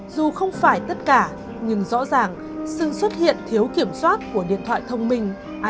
dù không phải tất cả nhưng rõ ràng sự xuất hiện thiếu kiểm soát của điện thoại thông minh